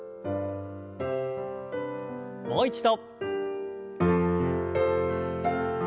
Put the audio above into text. もう一度。